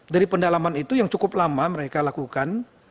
dari pendalaman itu yang cukup lama mereka lakukan